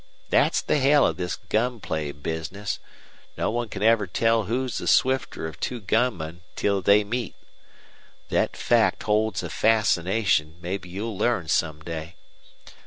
Thet's the hell of this gun play business. No one can ever tell who's the swifter of two gunmen till they meet. Thet fact holds a fascination mebbe you'll learn some day.